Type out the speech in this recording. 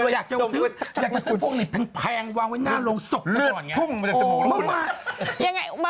อยากจะซื้อพวกนี้แพงวางไว้หน้าโรงศพก่อนไงหลือทุ่มจากจมูกเรา